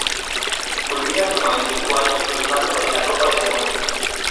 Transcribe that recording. Culmina su magnífico año, triunfando en la Copa del Mundo.